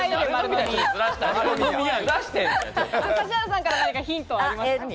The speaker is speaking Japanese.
指原さんから何かヒントありますか？